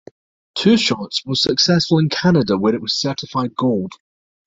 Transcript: "Two Shots" was successful in Canada, where it was certified gold.